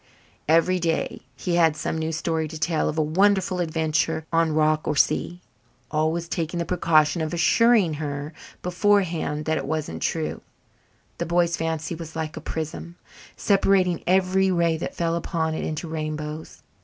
Every day he had some new story to tell of a wonderful adventure on rock or sea, always taking the precaution of assuring her beforehand that it wasn't true. The boy's fancy was like a prism, separating every ray that fell upon it into rainbows.